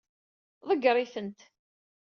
Ḍeggeṛ-itent.